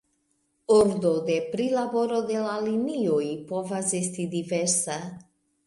Ordo de prilaboro de la linioj povas esti diversa.